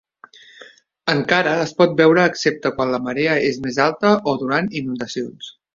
Encara es pot veure excepte quan la marea és més alta o durant inundacions.